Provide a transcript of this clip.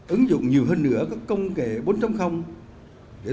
ứng dụng nhiều hơn nữa các công kệ bốn để thúc đẩy tạo sự bùng nổ